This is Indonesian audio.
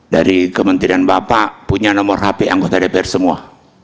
dari kementerian bapak punya nomor hp anggota dpr semua